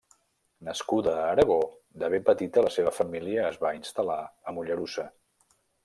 Nascuda a Aragó, de ben petita la seva família es va instal·lar a Mollerussa.